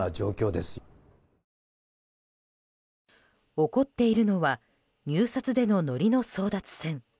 起こっているのは入札でののりの争奪戦。